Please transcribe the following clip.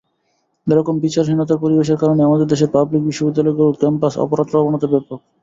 এ রকম বিচারহীনতার পরিবেশের কারণে আমাদের দেশের পাবলিক বিশ্ববিদ্যালয়গুলোর ক্যাম্পাসে অপরাধপ্রবণতা ব্যাপক।